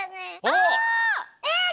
あっ！